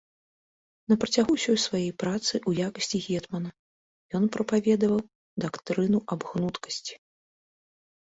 На працягу ўсёй сваёй працы ў якасці гетмана, ён прапаведаваў дактрыну аб гнуткасці.